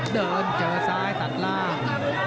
เจอซ้ายตัดล่าง